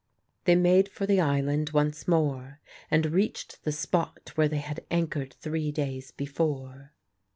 They made for the island once more and reached the spot where they had anchored three days before.